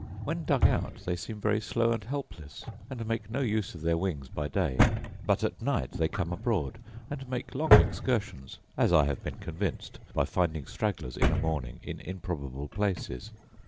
When dug out they seem very slow and helpless, and make no use of their wings by day; but at night they come abroad, and make long excursions, as I have been convinced by finding stragglers, in a morning, in improbable places.